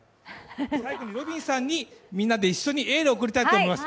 最後にロビンさんにみんなで一緒にエールを送りたいと思います。